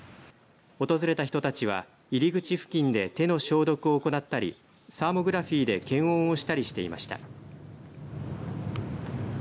訪れた人たちは入り口付近で手の消毒を行ったりサーモグラフィーで検温をしたりしていました。